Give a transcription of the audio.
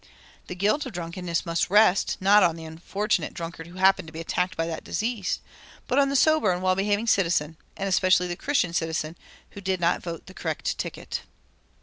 The guilt of drunkenness must rest, not on the unfortunate drunkard who happened to be attacked by that disease, but on the sober and well behaving citizen, and especially the Christian citizen, who did not vote the correct ticket.